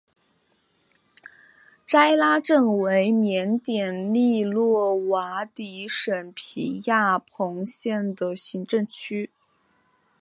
斋拉镇为缅甸伊洛瓦底省皮亚朋县的行政区。